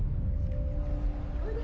おいで！